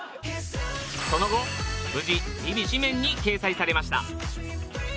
その後無事『ＶｉＶｉ』誌面に掲載されました